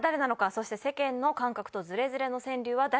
そして世間の感覚とズレズレの川柳は誰なのか？